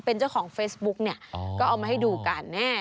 เป็นเจ้าของเฟซบุ๊กก็เอามาให้ดูกันแน่